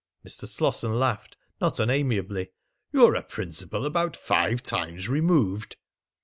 Mr. Slosson laughed, not unamiably. "You're a principal about five times removed."